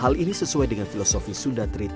hal ini sesuai dengan filosofi sunda tri tangku di buwana